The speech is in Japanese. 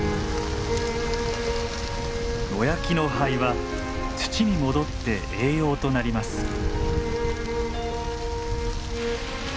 野焼きの灰は土に戻って栄養となります。